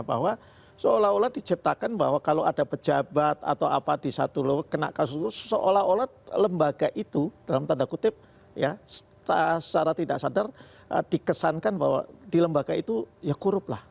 bahwa seolah olah diciptakan bahwa kalau ada pejabat atau apa di satu kena kasus itu seolah olah lembaga itu dalam tanda kutip ya secara tidak sadar dikesankan bahwa di lembaga itu ya korup lah